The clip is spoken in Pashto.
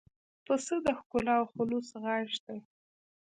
پسه د ښکلا او خلوص غږ دی.